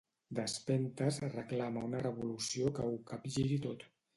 Despentes reclama una revolució que ho capgiri tot.